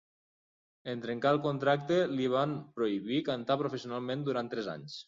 En trencar el contracte, li van prohibir cantar professionalment durant tres anys.